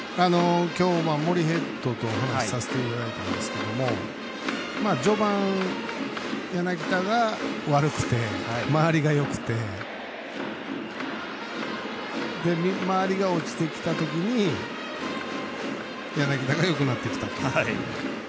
今日、森ヘッドとお話させていただいたんですけど序盤、柳田が悪くて周りがよくて周りが落ちてきた時に柳田がよくなってきたと。